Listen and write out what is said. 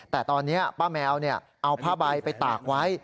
แต่ตอนนี้ป้าแมวเอาผ้าใบไปตากไว้